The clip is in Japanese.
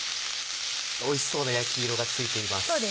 おいしそうな焼き色がついています。